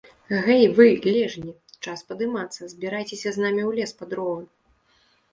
- Гэй вы, лежні, час падымацца, збірайцеся з намі ў лес па дровы!